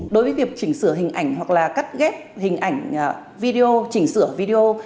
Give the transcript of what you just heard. đối với việc chỉnh sửa hình ảnh hoặc là cắt ghép hình ảnh video chỉnh sửa video